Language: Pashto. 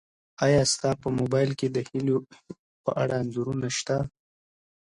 ایا ستا په موبایل کي د هیلو په اړه انځورونه سته؟